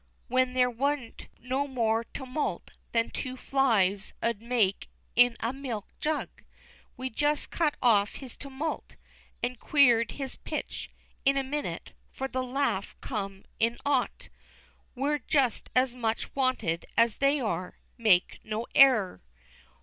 when there warn't no more toomult than two flies 'ud make in a milk jug. We jest cut off his toomult, and quered his pitch, in a minnit, for the laugh come in 'ot. We're just as much wanted as they are, make no error.